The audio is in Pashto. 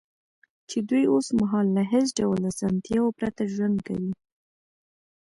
چې دوی اوس مهال له هېڅ ډول اسانتیاوو پرته ژوند کوي